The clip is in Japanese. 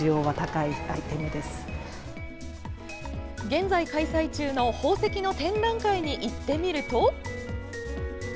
現在開催中の宝石の展覧会に行ってみると。